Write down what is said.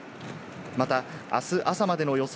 また、あす朝までの予想